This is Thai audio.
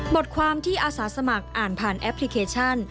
บทความที่อาสาสมัครอ่านผ่านแอปพลิเคชัน